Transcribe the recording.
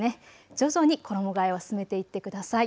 徐々に衣がえを進めていってください。